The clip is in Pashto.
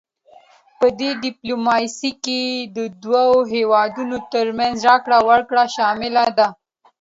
پدې ډیپلوماسي کې د دوه هیوادونو ترمنځ راکړه ورکړه شامله ده